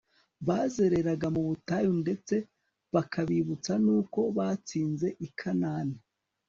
bazereraga mu butayu ndetse bikabibutsa n'uko batsinze i kanani